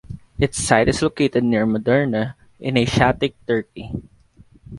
Its site is located near Mudurnu in Asiatic Turkey.